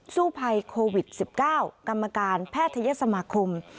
สู้ภัยโควิด๑๙กรรมการแพทยศสมาคม